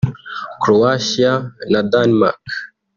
Croatia na Denmark